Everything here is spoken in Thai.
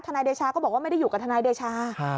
นายเดชาก็บอกว่าไม่ได้อยู่กับทนายเดชา